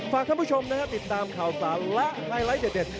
ฝากท่านผู้ชมนะครับติดตามข่าวสารและไฮไลท์เด็ด